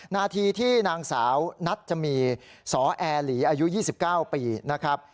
นาทีที่นางสาวนัจจมีสอแอร์หลีอายุ๒๙ปีนะครับ